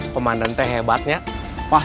komandan teh hebatnya